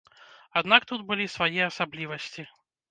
Аднак тут былі свае асаблівасці.